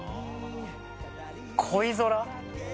『恋空』？